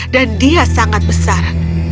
dan dia sangat besar